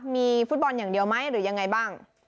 มีฟุตบอลอย่างเดียวไหมหรือยังไงบ้าง